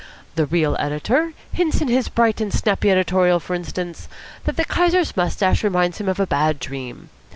The real editor hints in his bright and snappy editorial, for instance, that the Kaiser's moustache reminds him of a bad dream.